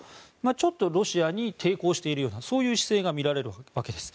ちょっとロシアに抵抗しているようなそういう姿勢が見られるわけです。